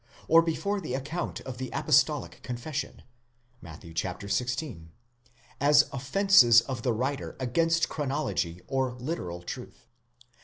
or before the account of the apostolic confession (Matt. xvi.), as offences of the writer against chronology or literal truth.